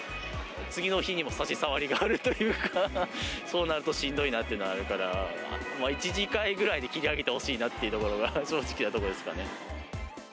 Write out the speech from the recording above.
次の日にも差し障りがあるというか、そうなるとしんどいなっていうのはあるから、１次会ぐらいで切り上げてほしいなっていうところが、正直なところですかね。